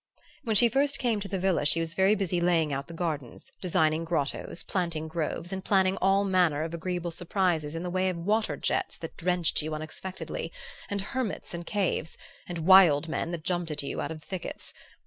"When she first came to the villa she was very busy laying out the gardens, designing grottoes, planting groves and planning all manner of agreeable surprises in the way of water jets that drenched you unexpectedly, and hermits in caves, and wild men that jumped at you out of thickets.